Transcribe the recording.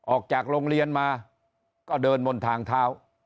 ออกจากโรงเรียนมาก็เดินบนทางเท้า